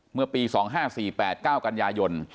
เมื่อปี๒๕๔๘๙กันยายน